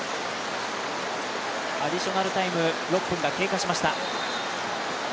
アディショナルタイム６分が経過しました。